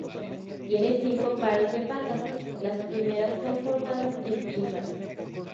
Tiene cinco pares de patas, las primeras transformadas en pinzas.